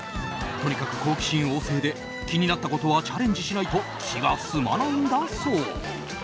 とにかく好奇心旺盛で気になったことはチャレンジしないと気が済まないんだそう。